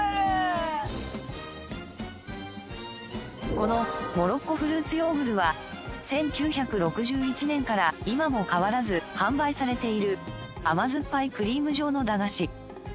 このモロッコフルーツヨーグルは１９６１年から今も変わらず販売されている甘酸っぱいクリーム状の駄菓子。